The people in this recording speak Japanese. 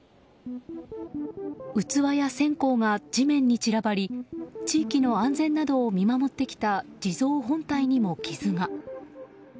器や線香が地面に散らばり地域の安全などを見守ってきた地蔵本体にも傷が。